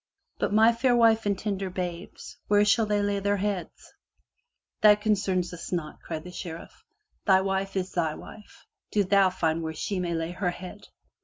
"But my fair wife and tender babes, where shall they lay their heads?*' "That concerns us not, cried the Sheriff. "Thy wife is thy wife. Do thou find where she may lay her head.